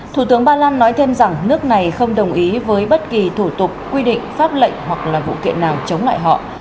thủ tướng ba lan nói thêm rằng nước này không đồng ý với bất kỳ thủ tục quy định pháp lệnh hoặc là vụ kiện nào chống lại họ